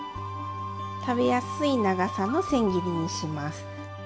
食べやすい長さのせん切りにします。